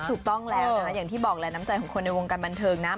ถูกต้องแล้วนะคะอย่างที่บอกแหละน้ำใจของคนในวงการบันเทิงนะ